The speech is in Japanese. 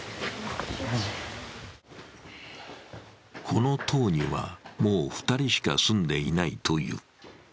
この棟には、もう２人しか住んでいないという。